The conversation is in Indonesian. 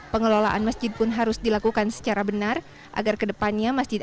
pengelolaan masjid pun harus dilakukan secara benar agar kedepannya masjid